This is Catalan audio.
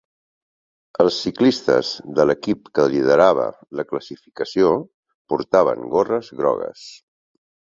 Els ciclistes de l'equip que liderava la classificació portaven gorres grogues.